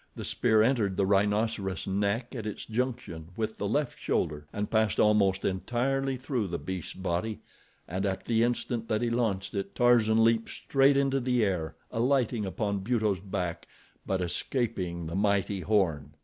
The spear entered the rhinoceros' neck at its junction with the left shoulder and passed almost entirely through the beast's body, and at the instant that he launched it, Tarzan leaped straight into the air alighting upon Buto's back but escaping the mighty horn.